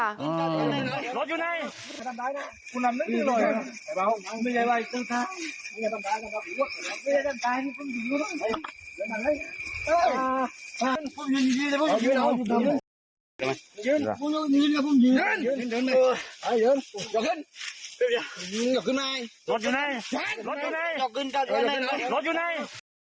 รถอยู่ไหนรถอยู่ไหน